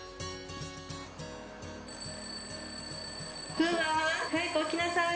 楓空、早く起きなさい。